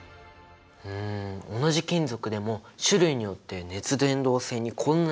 うん同じ金属でも種類によって熱伝導性にこんなに違いがあるんだね！